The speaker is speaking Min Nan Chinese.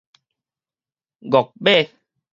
鱷馬